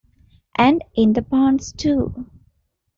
And in the ponds too!